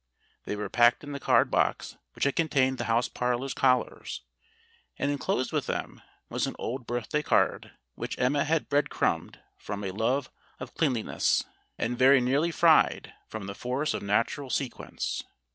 They were packed in the card box which had contained the house parlorer's collars, and enclosed with them was an old birthday card which Emma had bread crumbed from a love of cleanliness, and very nearly fried from the force of natural sequence.